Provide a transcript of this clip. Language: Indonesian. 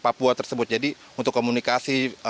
papua tersebut jadi untuk komunikasi